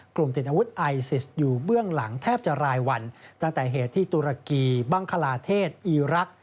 ติดอาวุธไอซิสอยู่เบื้องหลังแทบจะรายวันตั้งแต่เหตุที่ตุรกีบังคลาเทศอีรักษ์